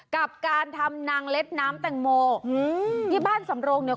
กับการทำนางเล็ดน้ำแตงโมอืมที่บ้านสำโรงเนี่ย